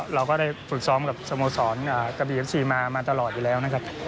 เราก็ได้ฝึกซ้อมกับสโมสรกะบีเอฟซีมามาตลอดอยู่แล้วนะครับ